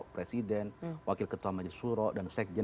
presiden wakil ketua majelis suro dan sekjen